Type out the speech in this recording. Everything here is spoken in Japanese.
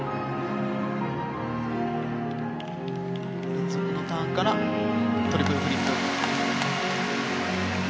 連続のターンからトリプルフリップ。